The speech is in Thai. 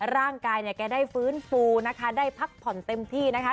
ร่างกายแกได้ฟื้นฟูได้พักผ่อนเต็มที่นะคะ